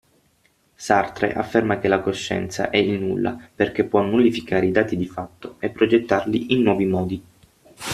Sartre afferma che la coscienza è il nulla perché può nullificare i dati di fatto e progettarli in nuovi modi.